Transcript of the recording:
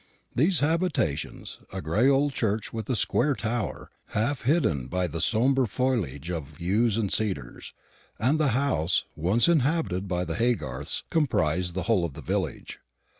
These habitations, a gray old church with a square tower, half hidden by the sombre foliage of yews and cedars, and the house once inhabited by the Haygarths, comprise the whole of the village.